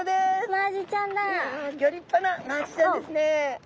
ギョ立派なマアジちゃんですね。